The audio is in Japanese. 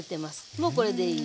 もうこれでいい。